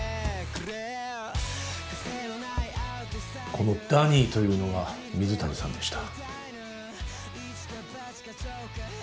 このダニーというのが水谷さんでした